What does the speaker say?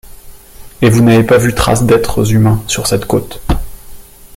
Et vous n’avez pas vu trace d’êtres humains sur cette côte